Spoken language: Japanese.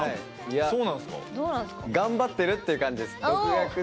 いや頑張ってるっていう感じです。